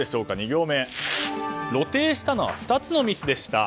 ２行目、露呈したのは２つのミスでした。